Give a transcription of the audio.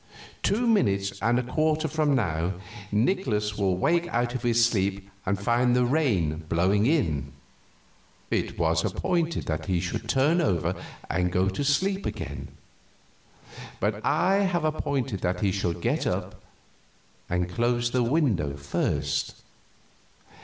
Two minutes and a quarter from now Nikolaus will wake out of his sleep and find the rain blowing in. It was appointed that he should turn over and go to sleep again. But I have appointed that he shall get up and close the window first.